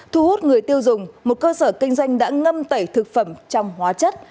thu hút người tiêu dùng một cơ sở kinh doanh đã ngâm tẩy thực phẩm trong hóa chất